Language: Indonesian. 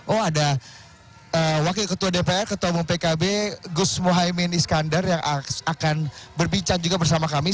oh ada wakil ketua dpr ketua umum pkb gus mohaimin iskandar yang akan berbicara juga bersama kami